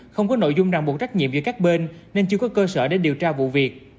không có nội dung ràng buộc trách nhiệm giữa các bên nên chưa có cơ sở để điều tra vụ việc